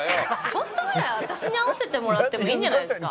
ちょっとぐらい私に合わせてもらってもいいんじゃないですか？